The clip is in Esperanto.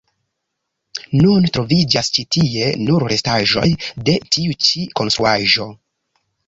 Nun troviĝas ĉi tie nur restaĵoj de tiu ĉi konstruaĵo.